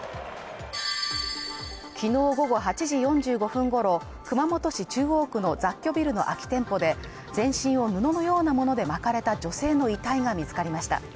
きのう午後８時４５分ごろ熊本市中央区の雑居ビルの空き店舗で全身を布のようなものでまかれた女性の遺体が見つかりました。